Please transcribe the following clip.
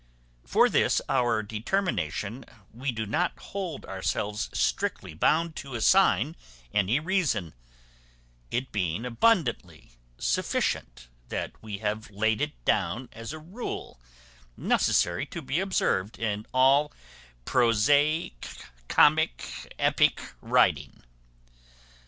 For this our determination we do not hold ourselves strictly bound to assign any reason; it being abundantly sufficient that we have laid it down as a rule necessary to be observed in all prosai comi epic writing.